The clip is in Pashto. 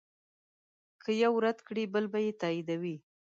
که یو رد کړې بل به یې تاییدوي.